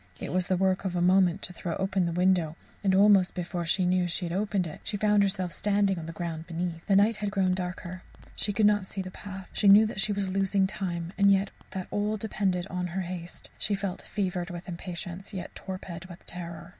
It was the work of a moment to throw open the window, and almost before she knew she had opened it, she found herself standing on the ground beneath. The night had grown darker; she could not see the path; she knew that she was losing time, and yet that all depended on her haste; she felt fevered with impatience, yet torpid with terror.